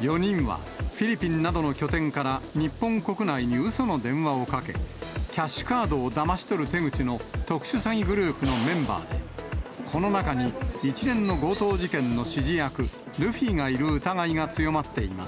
４人はフィリピンなどの拠点から、日本国内にうその電話をかけ、キャッシュカードをだまし取る手口の特殊詐欺グループのメンバーで、この中に一連の強盗事件の指示役、ルフィがいる疑いが強まっています。